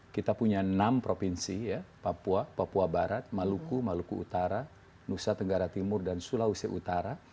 kita punya enam provinsi ya papua papua barat maluku maluku utara nusa tenggara timur dan sulawesi utara